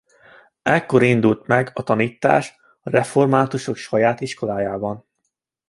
Ekkor indult meg a tanítás a reformátusok saját iskolájában.